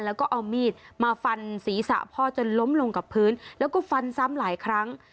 แล้วก็เอามีดมาฟันศีรษะพ่อจนล้มลงกับพื้นแล้วก็ฟันซ้ำหลายครั้ง